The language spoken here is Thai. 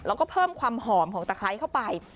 แล้วก็เพิ่มความหอมของตะไคร้เข้าไป